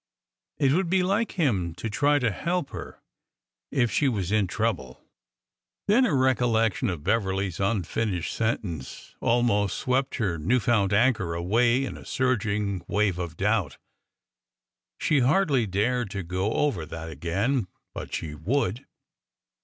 It would be like him to try to help her if she was in trouble. Then a recollection of Beverly's unfinished sentence al most swept her new fpund anchor away in a surging wave of doubt. She hardly dared to go over that again. ... But she would